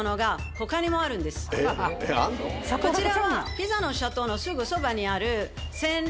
こちらはピサの斜塔のすぐそばにある。